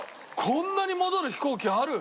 こんなに戻る飛行機ある？